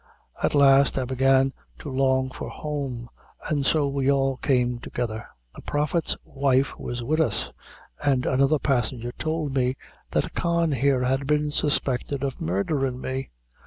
At last I began to long for home, and so we all came together. The Prophet's wife was wid us, an' another passenger tould me that Con here had been suspected of murdherin' me.